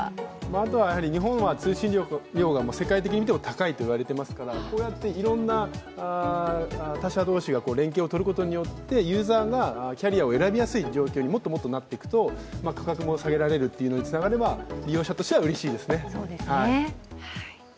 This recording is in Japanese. あとは日本は通信料が世界的に見ても高いと言われていますから、こうやっていろんな他者同士が連携を取ることによってユーザーがキャリアを選びやすい状況にもっともっとなっていくと価格も下げられるというのにつながれば、利用者としてはうれしいですね。